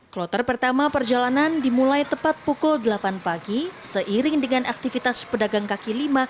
kloter pertama perjalanan dimulai tepat pukul delapan pagi seiring dengan aktivitas pedagang kaki lima